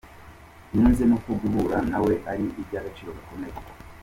Yunzemo ko guhura na we ari iby’agaciro gakomeye.